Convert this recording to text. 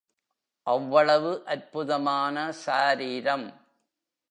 அவ்வளவு அற்புதமான சாரீரம்.